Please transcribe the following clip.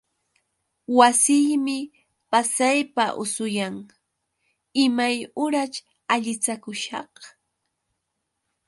Wasiymi pasaypaq usuyan. Imay uraćh allichakushaq?